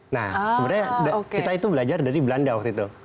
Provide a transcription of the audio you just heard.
nah sebenarnya kita itu belajar dari belanda waktu itu